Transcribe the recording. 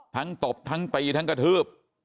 ตบทั้งตีทั้งกระทืบ